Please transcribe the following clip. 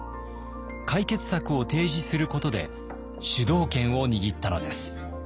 解決策を提示することで主導権を握ったのです。